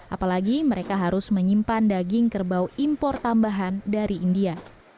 apalagi mereka harus menyimpan daging kerbau impor tambahan dari india